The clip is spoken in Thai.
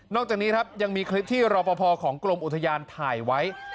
จากนี้ครับยังมีคลิปที่รอปภของกรมอุทยานถ่ายไว้